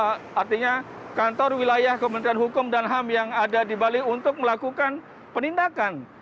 artinya kantor wilayah kementerian hukum dan ham yang ada di bali untuk melakukan penindakan